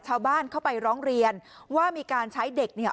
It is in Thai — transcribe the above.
ชาวบ้านเข้าไปร้องเรียนว่ามีการใช้เด็กเนี่ย